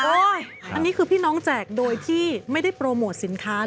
อันนี้คือพี่น้องแจกโดยที่ไม่ได้โปรโมทสินค้า